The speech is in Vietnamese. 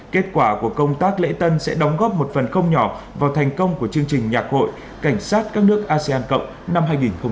kết quả của công tác lễ tân sẽ đóng góp một phần không nhỏ vào thành công của chương trình nhạc hội cảnh sát các nước asean cộng năm hai nghìn hai mươi